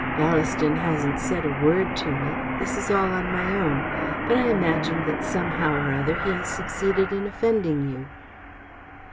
Ballaston hasn't said a word to me. This is all on my own, but I imagine that somehow or other, he has succeeded in offending you."